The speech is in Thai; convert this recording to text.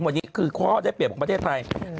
วันนี้คือข้อได้เปรียบของประเทศไทย